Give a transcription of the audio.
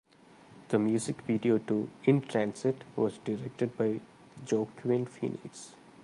The music video to "In Transit" was directed by Joaquin Phoenix.